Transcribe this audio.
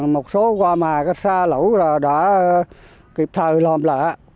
một số qua mà xa lũ đã kịp thời làm lạ